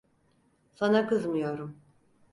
Sana kızmıyorum.